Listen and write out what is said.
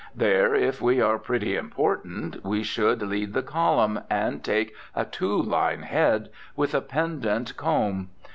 There, if we are pretty important, we should lead the column, and take a two line head, with a pendant "comb."